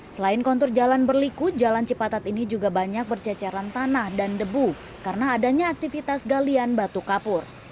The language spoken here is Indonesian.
selain kontur jalan berliku jalan cipatat ini juga banyak berceceran tanah dan debu karena adanya aktivitas galian batu kapur